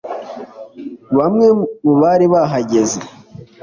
Bamwe mu bari bahagaze